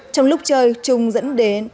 trong lúc chơi trung dẫn đề